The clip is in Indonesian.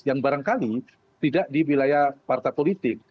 yang barangkali tidak di wilayah partai politik